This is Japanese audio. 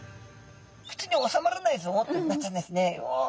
「口に納まらないぞ」ってなったんですね。